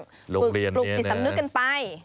ปลุกจิตสำนึกกันไป